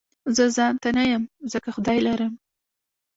زه ځانته نه يم ځکه خدای لرم